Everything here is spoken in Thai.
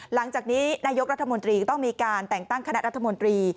หลังจากนี้นายกรัฐมนตรีต้องมีการแต่งตั้งคณะรัฐมนตรี